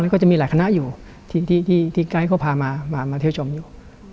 แล้วก็จะมีหลายคณะอยู่ที่ไกลเค้าผ่ามาเที่ยวชมอยู่